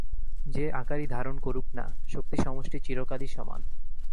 যে আকারই ধারণ করুক না, শক্তিসমষ্টি চিরকালই সমান।